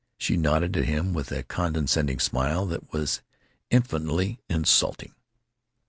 " She nodded at him with a condescending smile that was infinitely insulting.